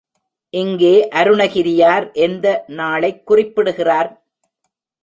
இங்கே அருணகிரியார் எந்த நாளைக் குறிப்பிடுகிறார்?